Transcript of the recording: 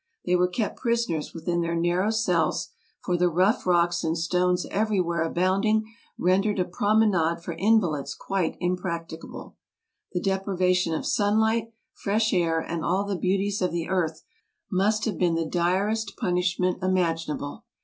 They were kept prisoners within their narrow cells, for the rough rocks and stones everywhere abounding rendered a promenade for invalids quite imprac ticable. The deprivation of sunlight, fresh air, and all the beauties of the earth must have been the direst punishment imaginable.